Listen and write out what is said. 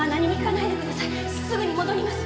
すぐに戻ります！